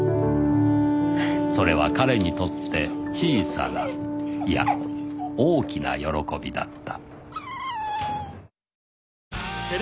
それは“彼”にとって小さないや大きな喜びだった